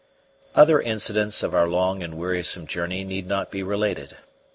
Other incidents of our long and wearisome journey need not be related.